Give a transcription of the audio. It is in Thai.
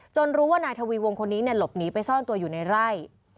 รู้ว่านายทวีวงคนนี้หลบหนีไปซ่อนตัวอยู่ในไร่